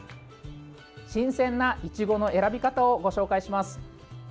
新鮮ないちごの選び方をご紹介します。